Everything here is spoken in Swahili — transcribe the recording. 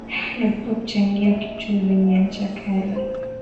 epuka kuchangia vitu vyenye ncha kali